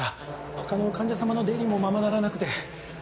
他の患者様の出入りもままならなくて。